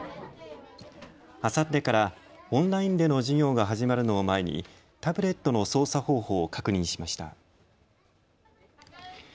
あさってからオンラインでの授業が始まるのを前にタブレットの操作方法を確認しました。